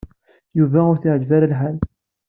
Yuba ur t-yeɛjib ara lḥal.